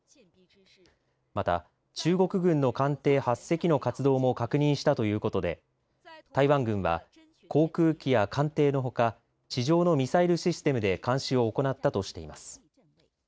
また、中国軍の艦艇８隻の活動も確認したということで台湾軍は航空機や艦艇のほか地上のミサイルシステムで監視を行ったとしています。